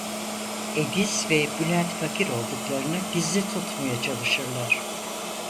Ediz ve Bülent fakir olduklarını gizli tutmaya çalışırlar.